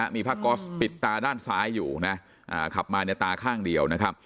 มีผ้าก๊อสปิดตาด้านซ้ายอยู่นะขับมาในตาข้างเดียวนะครับ